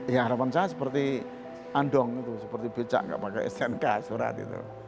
ya harapan saya seperti andong itu seperti becak nggak pakai snk surat itu